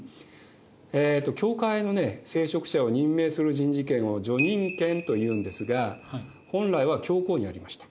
教会の聖職者を任命する人事権を叙任権というんですが本来は教皇にありました。